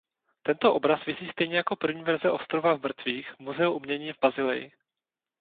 Tento obraz visí stejně jako první verze Ostrova mrtvých v Muzeu umění v Basileji.